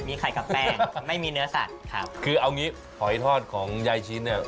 มีไข่กับแป้งไม่มีเนื้อสัตว์ครับคือเอางี้หอยทอดของยายชิ้นเนี้ย